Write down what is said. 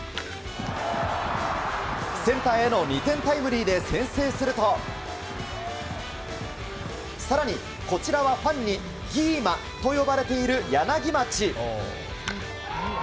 センターへの２点タイムリーで先制すると更に、こちらはファンにギーマと呼ばれている柳町。